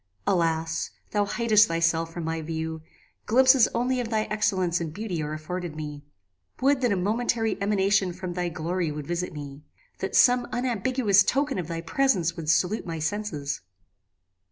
Alas! thou hidest thyself from my view: glimpses only of thy excellence and beauty are afforded me. Would that a momentary emanation from thy glory would visit me! that some unambiguous token of thy presence would salute my senses!